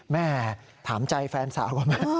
แม่ถามใจแฟนสาวก่อนไหม